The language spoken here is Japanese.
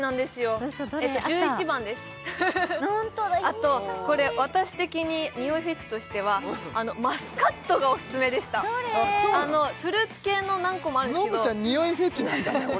あとこれ私的に匂いフェチとしてはマスカットがオススメでしたフルーツ系の何個もあるんですけどのむちゃん匂いフェチなんだ俺